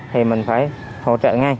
thì mình phải hỗ trợ ngay